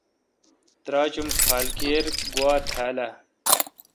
تراچ ام کھال کیر گواتھال اہ۔